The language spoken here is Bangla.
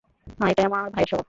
হ্যাঁ, এটাই আমার ভাইয়ের স্বভাব।